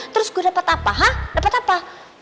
terus gue dapat apa h dapat apa